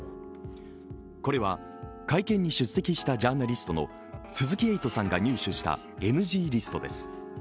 これは、会見に出席したジャーナリストの鈴木エイトさんが入手したＮＧリストです。